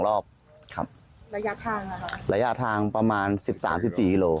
แล้วยัดทางประมาณ๑๓๑๔มิตร